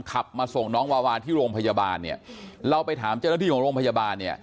ขับมาส่งน้องวาวาที่โรงพยาบาลเนี่ยเราไปถามเจ้าหน้าที่ของโรงพยาบาลเนี่ย